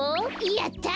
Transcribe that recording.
やった！